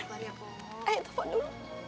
ayah telepon dulu